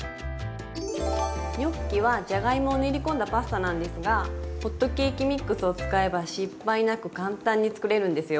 ニョッキはじゃがいもを練り込んだパスタなんですがホットケーキミックスを使えば失敗なく簡単に作れるんですよ。